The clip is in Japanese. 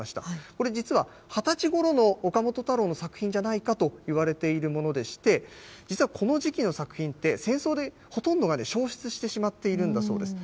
これ実は、２０歳ごろの岡本太郎の作品じゃないかといわれているものでして、実はこの時期の作品って、戦争でほとんどが焼失してしまっているんだそうです。